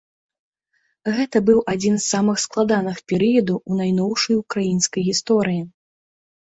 Гэта быў адзін з самых складаных перыядаў у найноўшай украінскай гісторыі.